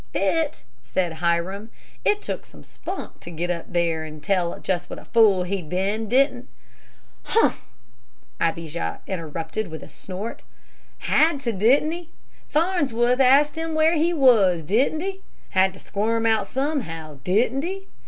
"Fit?" said Hiram. "It took some spunk to get up there and tell just what a fool he'd been, didn't " "Humph!" Abijah interrupted, with a snort. "Had to, didn't he? Farnsworth asked him where he was, didn't he? Had to squirm out somehow, didn't he?